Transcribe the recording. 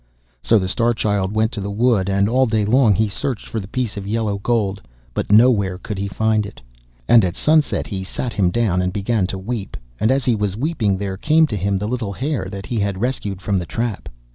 So the Star Child went to the wood, and all day long he searched for the piece of yellow gold, but nowhere could he find it. And at sunset he sat him down and began to weep, and as he was weeping there came to him the little Hare that he had rescued from the trap.